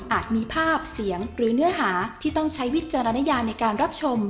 มีภาพเสียงหรือเนื้อหาที่ต้องใช้วิจารณญาในการรับชม